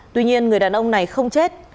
tuy nhiên người đàn ông này không chết